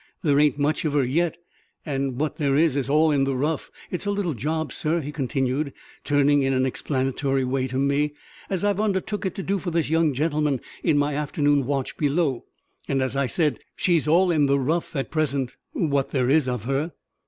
There ain't much of her yet, and what there is, is all in the rough. It's a little job, sir," he continued, turning in an explanatory way to me, "as I've undertook to do for this young gentleman in my afternoon watch below; and, as I said, she's all in the rough at present what there is of her."